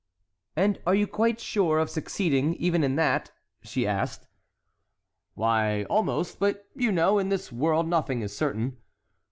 "And are you quite sure of succeeding even in that?" she asked. "Why, almost; but you know, in this world nothing is certain."